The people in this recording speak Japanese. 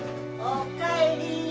おかえり。